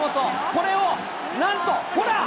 これを、なんと、ほら！